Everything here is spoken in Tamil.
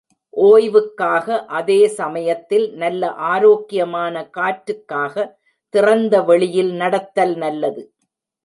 ஒய்வுக்காக, அதே சமயத்தில் நல்ல ஆரோக்கியமான காற்றுக்காக திறந்த வெளியில் நடத்தல் நல்லது.